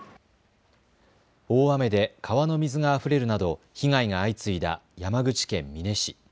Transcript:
大雨で川の水があふれるなど被害が相次いだ山口県美祢市。